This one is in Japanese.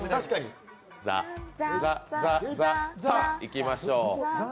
さあ、いきましょう。